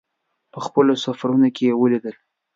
په خپلو سفرونو کې یې ولیدل.